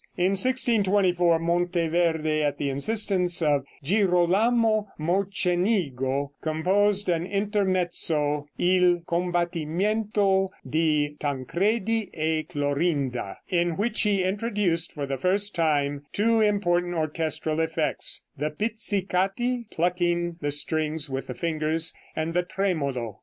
In 1624 Monteverde at the instance of Girolamo Mocenigo composed an intermezzo, "Il Combatimento di Tancredi e Clorinda," in which he introduced for the first time two important orchestral effects: The pizzicati (plucking the strings with the fingers) and the tremolo.